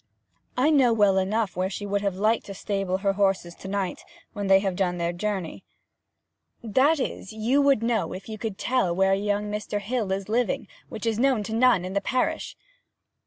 'I know well enough where she would have liked to stable her horses to night, when they have done their journey.' 'That is, you would know if you could tell where young Mr. Hill is living, which is known to none in the parish.'